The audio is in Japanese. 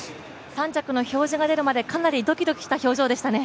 ３着の表示が出るまで、かなりドキドキした表情でしたね。